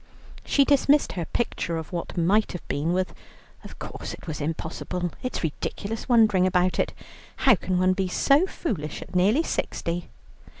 She dismissed her picture of what might have been with "Of course it was impossible, it's ridiculous wondering about it. How can one be so foolish at nearly sixty?"